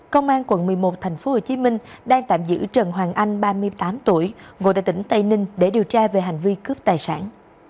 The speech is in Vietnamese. công an quận một mươi một tp hcm đang tạm giữ trần hoàng anh ba mươi tám tuổi ngụ tại tỉnh tây ninh để điều tra về hành vi cướp tài sản